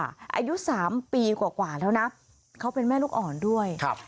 อายุ๓ปีกว่าแล้วนะเขาเป็นแม่ลูกอ่อนด้วย